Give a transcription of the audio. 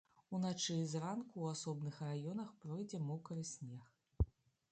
Уначы і зранку ў асобных раёнах пройдзе мокры снег.